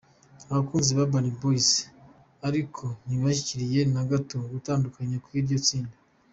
Abakunzi ba Urban Boys ariko ntibashyigikiye na gato gutandukana kw’iryo tsinda.